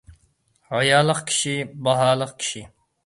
ھايالىق كىشى – باھالىق كىشى.